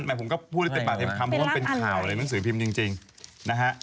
หมายความผมก็พูดเป็นปากเทียมคำเพราะว่าเป็นข่าวเลยหนังสือพิมพ์จริงจริงนะฮะ